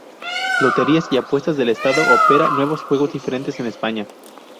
Loterías y Apuestas del Estado opera nueve juegos diferentes en España.